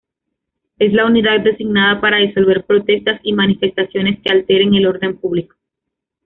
Es la unidad designada para disolver protestas y manifestaciones que alteren el orden público.